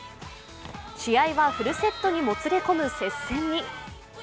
試合はフルセットにもつれ込む接戦に。